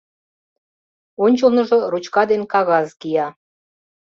Ончылныжо ручка ден кагаз кия.